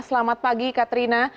selamat pagi katrina